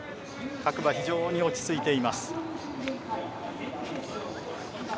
各馬、非常に落ち着いています。